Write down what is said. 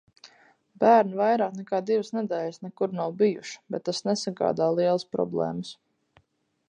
Bērni vairāk nekā divas nedēļas nekur nav bijuši, bet tas nesagādā lielas problēmas.